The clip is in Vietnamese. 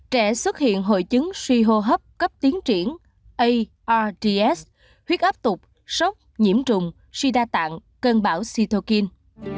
trẻ xuất hiện hội chứng suy hô hấp cấp tiến triển args huyết áp tục sốc nhiễm trùng suy đa tạng cơn bão sitokin